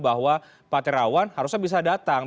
bahwa pak terawan harusnya bisa datang